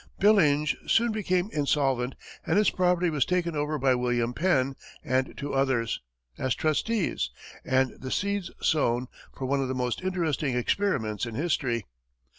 Byllinge soon became insolvent, and his property was taken over by William Penn and two others, as trustees, and the seeds sown for one of the most interesting experiments in history.